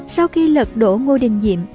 sau khi lật đổ ngô đình diệm